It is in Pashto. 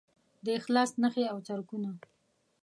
د اخلاص نښې او څرکونه